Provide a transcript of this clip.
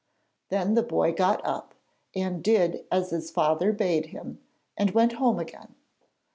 Then the boy got up and did as his father bade him, and went home again.